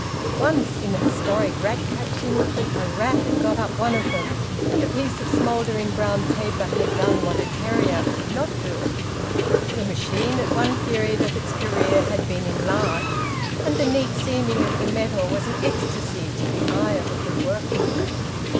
Once, in a historic rat catching, a rat had got up one of them, and a piece of smouldering brown paper had done what a terrier could not do. The machine at one period of its career had been enlarged, and the neat seaming of the metal was an ecstasy to the eye of a good workman.